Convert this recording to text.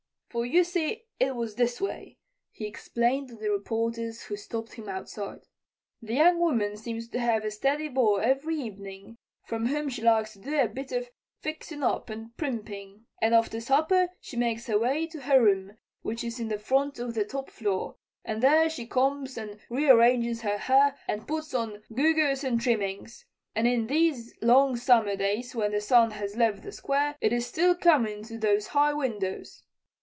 "For, you see, it was this way," he explained to the reporters who stopped him outside. "The young woman seems to have a steady beau every evening, for whom she likes to do a bit of fixin' up and primping. And after supper she makes her way to her room, which is in the front of the top floor, and there she combs and rearranges her hair and puts on gew gaws and trimmings. And in these long summer days, when the sun has left the square, it is still comin' into those high windows."